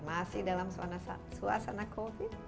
masih dalam suasana covid